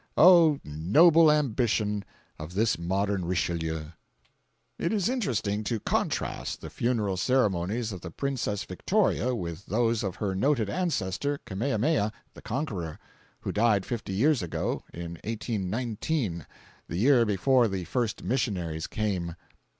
Oh! noble ambition of this modern Richelieu! It is interesting to contrast the funeral ceremonies of the Princess Victoria with those of her noted ancestor Kamehameha the Conqueror, who died fifty years ago—in 1819, the year before the first missionaries came.